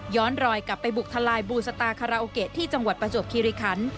รอยกลับไปบุกทลายบูสตาคาราโอเกะที่จังหวัดประจวบคิริคัน